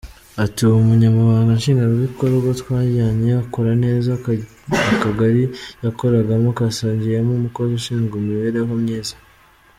Ati “Uwo Munyamabanga Nshingwabikorwa twajyanyeyo akora neza, akagari yakoragamo kasigayemo umukozi ushinzwe imibereho myiza.